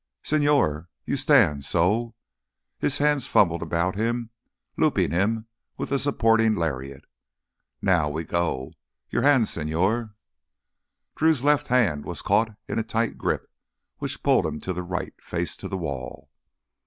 "Señor, you stand—so." Hands fumbled about him, looping him with a supporting lariat. "Now—we go! Your hand, señor." Drew's left hand was caught in a tight grip which pulled him to the right, face to the wall.